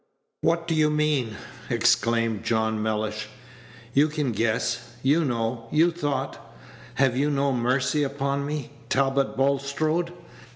"What do you mean?" exclaimed John Mellish. "You can guess you know you thought! Have you no mercy upon me, Talbot Bulstrode?